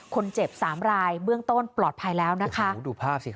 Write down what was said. คนเจ็บสามรายเบื้องต้นปลอดภัยแล้วนะคะโอ้ดูภาพสิค่ะ